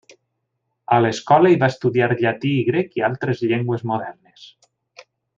A l'escola hi va estudiar llatí i grec i altres llengües modernes.